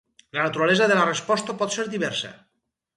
La naturalesa de la resposta pot ser diversa.